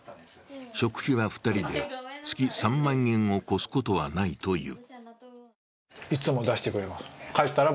食費は２人で月３万円を超すことはないという。